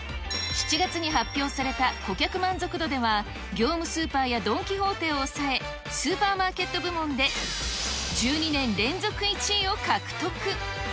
７月に発表された顧客満足度では、業務スーパーやドン・キホーテを抑え、スーパーマーケット部門で１２年連続１位を獲得。